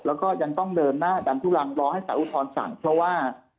แล้วก็ยังต้องเดินหน้าดันทุลังรอให้สารอุทธรณ์สั่งเพราะว่า